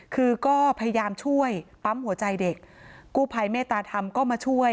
คือก็พยายามช่วยปั๊มหัวใจเด็กกู้ภัยเมตตาธรรมก็มาช่วย